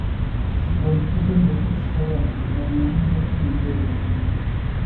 গ্রন্থটির লেখক স্বয়ং মনমোহন দত্ত নিজেই।